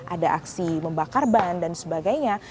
ada aksi membakar ban dan sebagainya